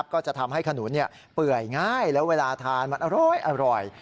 ก็จะทำให้ขนุนเปื่อยง่ายแล้วเวลาทานมันอร้อย